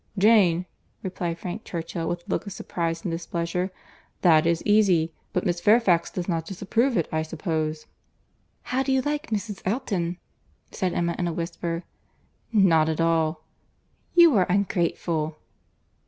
"Jane!"—repeated Frank Churchill, with a look of surprize and displeasure.—"That is easy—but Miss Fairfax does not disapprove it, I suppose." "How do you like Mrs. Elton?" said Emma in a whisper. "Not at all." "You are ungrateful."